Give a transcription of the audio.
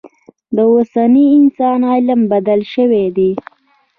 د اوسني انسان علم بدل شوی دی.